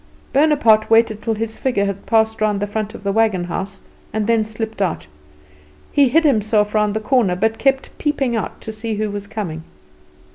Bonaparte waited till his figure had passed round the front of the wagon house, and then slipped out. He hid himself round the corner, but kept peeping out to see who was coming.